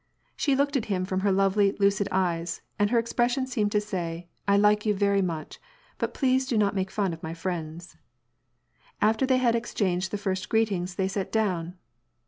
She looked at him from her lovely, lucid eyes, and her expression seemed to say, " I like you very much, but please do not make fun of my friends." After they had exchanged the first greetings they sat down.